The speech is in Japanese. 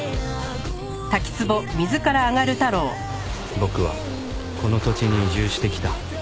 僕はこの土地に移住してきた